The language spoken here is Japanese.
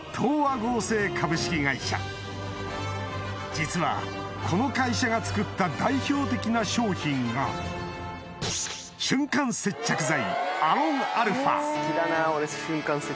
実はこの会社が作った代表的な商品が好きだな俺瞬間接着剤。